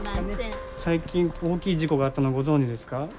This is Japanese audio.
最近大きい事故があったのご存じですか？